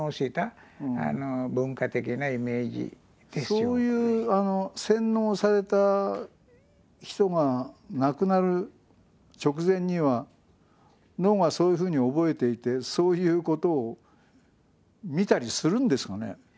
そういう洗脳された人が亡くなる直前には脳がそういうふうに覚えていてそういうことを見たりするんですかね？